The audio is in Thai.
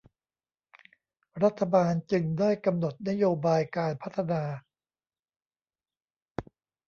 รัฐบาลจึงได้กำหนดนโยบายการพัฒนา